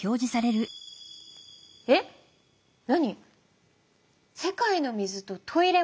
えっ何？